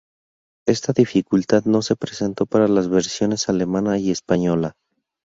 Esta dificultad no se presentó para las versiones alemana y española.